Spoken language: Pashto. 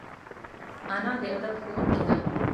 انا د ادب ښوونکې ده